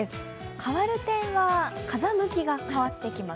変わる点は、風向きが変わってきます。